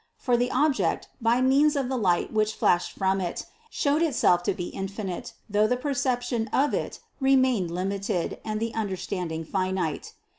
For the Object, by means of the light which flashed from It, showed Itself to be infinite, though the perception of It remained limited and the understanding finite.